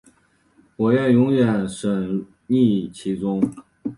我愿永远沈溺其中